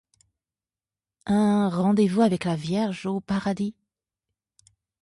Un rendez-vous avec la Vierge au paradis ?